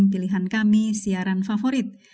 pilihan kami siaran favorit